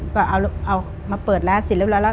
ก็เอามาเปิดร้านเสร็จเรียบร้อยแล้ว